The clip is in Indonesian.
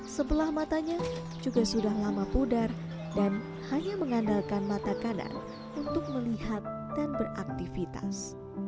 sebelah matanya juga sudah lama pudar dan hanya mengandalkan mata kanan untuk melihat dan beraktivitas